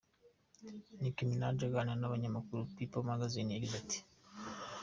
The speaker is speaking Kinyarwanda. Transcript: Nicki Minaj aganira n’ikinyamakuru People Magazine yagize ati:.